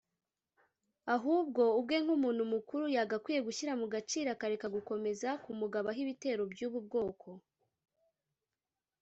ahubwo ubwe nk’umuntu mukuru yagakwiye gushyira mu gaciro akareka gukomeza kumugabaho ibitero by’ubu bwoko